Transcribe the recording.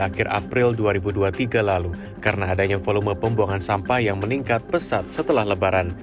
akhir april dua ribu dua puluh tiga lalu karena adanya volume pembuangan sampah yang meningkat pesat setelah lebaran